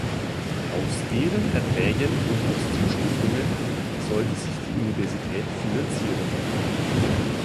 Aus deren Erträgen und aus Zustiftungen sollte sich die Universität finanzieren.